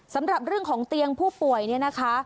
สำหรับเรื่องของเตียงผู้ป่วยเนี่ยนะคะ